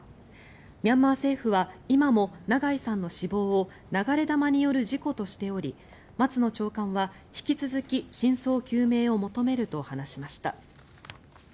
ミャンマー政府は今も長井さんの死亡を流れ弾による事故としており松野長官は引き続き真相究明を求めると話しました。